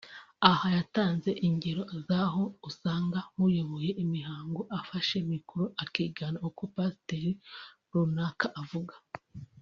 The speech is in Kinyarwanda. Aha yatanze ingero z’aho usanga nk’uyoboye imihango `afashe micro akigana uko pasteur runaka avuga